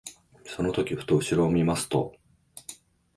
その時ふと後ろを見ますと、